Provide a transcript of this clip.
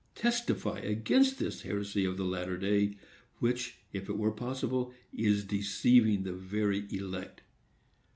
Testify against this heresy of the latter day, which, if it were possible, is deceiving the very elect.